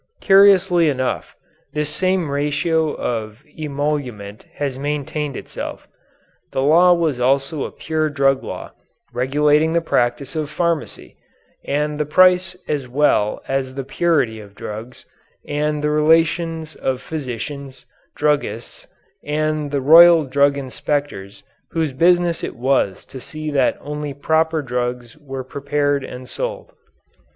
Curiously enough, this same ratio of emolument has maintained itself. This law was also a pure drug law, regulating the practice of pharmacy, and the price as well as the purity of drugs, and the relations of physicians, druggists, and the royal drug inspectors whose business it was to see that only proper drugs were prepared and sold.